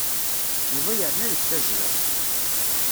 Yuba yerna deg tazzla.